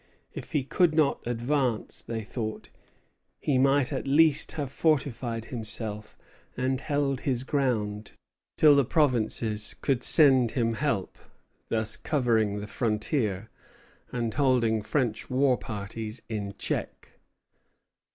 If he could not advance, they thought, he might at least have fortified himself and held his ground till the provinces could send him help; thus covering the frontier, and holding French war parties in check.